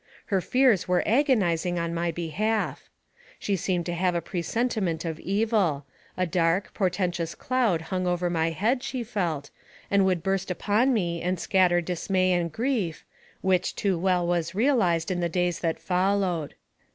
Her fears were agonizing in my behalf. She seemed to have a pre sentiment of evil a dark, portentous cloud hung over my head, she felt, that would burst upon me, and scat ter dismay and grief which too well was realized in the days that followed.